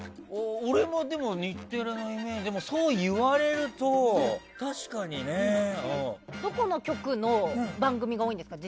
俺も日テレのイメージそう言われるとでも、確かにね。どこの局の番組が多いですか？